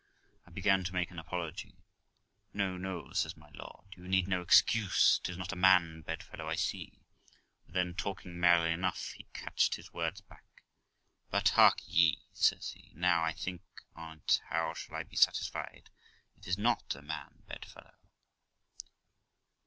I began to make an apology. 'No, no', says my lord, 'you need no excuse, 'tis not a man bedfellow, I see'; but then, talking > merrily enough, he catched his words back: 'But, hark ye', says he, 'now I think on't, how shall I be satisfied it is not a man bedfellow?'